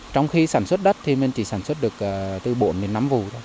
trong khi sản xuất đất thì mình chỉ sản xuất được từ bốn đến năm vụ thôi